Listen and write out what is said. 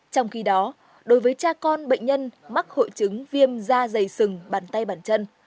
trong khi đó đối với cha con bệnh nhân mắc hội chứng viêm da dày sừng bàn tay bàn chân